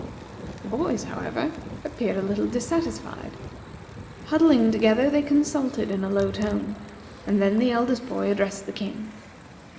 The boys, however, appeared a little dissatisfied. Huddling together, they consulted in a low tone, and then the eldest boy addressed the King.